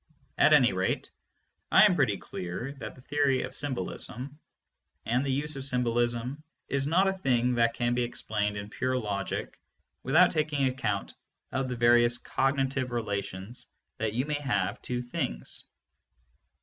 At any rate I am pretty clear that the theory of symbolism and the use of symbolism is not a thing that can be explained in pure logic without taking account of the various cogni tive relations that you may have to things.